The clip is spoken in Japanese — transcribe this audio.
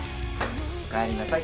おかえりなさい。